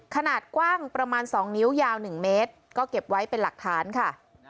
ขนาดกว้างประมาณ๒นิ้วยาว๑เมตรก็เก็บไว้เป็นหลักฐานค่ะ